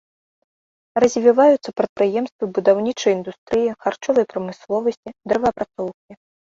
Развіваюцца прадпрыемствы будаўнічай індустрыі, харчовай прамысловасці, дрэваапрацоўкі.